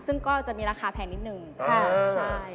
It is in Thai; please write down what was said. ซึ่งก็จะมีราคาแพงนิดนึง